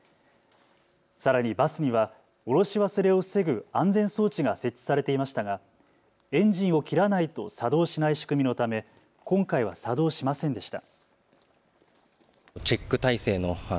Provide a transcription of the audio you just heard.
さらにバスには降ろし忘れを防ぐ安全装置が設置されていましたがエンジンを切らないと作動しない仕組みのため今回は作動しませんでした。